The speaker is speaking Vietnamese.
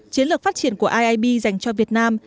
chiến lược phát triển của iib dành cho việt nam